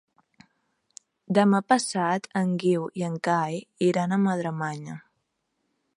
Demà passat en Guiu i en Cai iran a Madremanya.